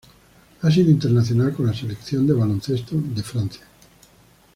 Ha sido internacional con la Selección de baloncesto de Francia.